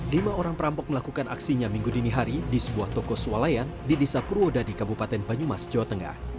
lima orang perampok melakukan aksinya minggu dinihari di sebuah toko suwalayan di desa purwoda di kabupaten banyumas jawa tengah